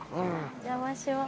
お邪魔します。